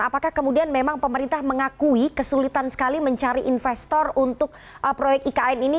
apakah kemudian memang pemerintah mengakui kesulitan sekali mencari investor untuk proyek ikn ini